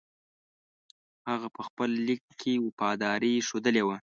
هغه په خپل لیک کې وفاداري ښودلې وه.